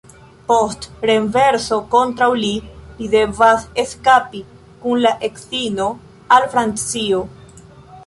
Post renverso kontraŭ li, li devas eskapi kun la edzino al Francio.